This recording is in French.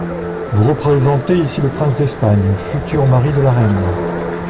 Vous représentez ici le prince d’Espagne, futur mari de La Reine .